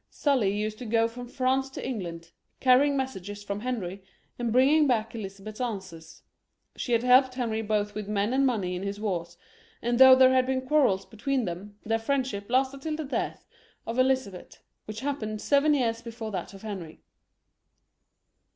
Sully used to go from France to England, carrying messages from Henry, and bringing back Elizabeth's answers. She had helped Henry both with men and money in his wars, and though there had been quarrels between them, their friendship lasted till the death of Elizabeth, which happened seven years before that of Henry.